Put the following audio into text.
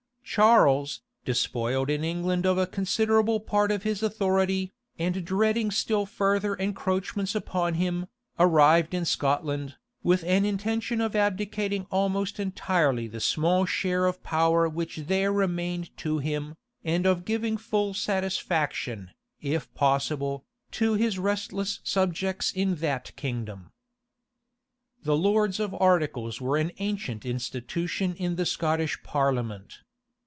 Charles, despoiled in England of a considerable part of his authority, and dreading still further encroachments upon him, arrived in Scotland, with an intention of abdicating almost entirely the small share of power which there remained to him, and of giving full satisfaction, if possible, to his restless subjects in that kingdom. The lords of articles were an ancient institution in the Scottish parliament.